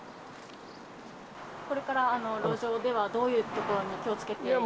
これから路上ではどういうところに気をつけていきたいですか。